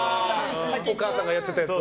お母さんがやってたやつ？